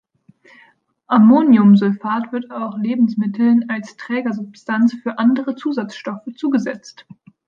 Ammoniumsulfat wird auch Lebensmitteln als Trägersubstanz für andere Zusatzstoffe zugesetzt.